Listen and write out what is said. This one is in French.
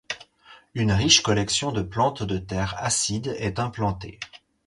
Une riche collection de plantes de terre acide est implantée.